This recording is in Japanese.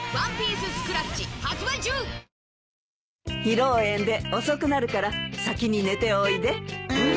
披露宴で遅くなるから先に寝ておいで。